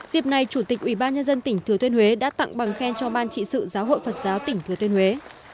dịp này chủ tịch ubnd tỉnh thừa thuyên huế đã tặng bằng khen cho ban trị sự giáo hội phật giáo tỉnh thừa thuyên huế